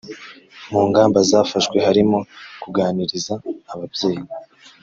Mu ngamba zafashwe harimo kuganiriza ababyeyi